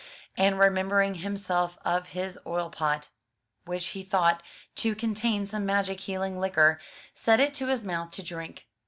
And, re membering himself of his oil pot, which he thought to con tain some magic healing liquor, set it to his mouth to drink.